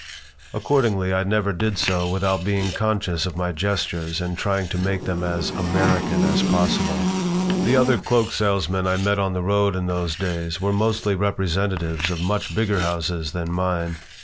Accordingly, I never did so without being conscious of my gestures and trying to make them as "American" as possible The other cloak salesmen I met on the road in those days were mostly representatives of much bigger houses than mine.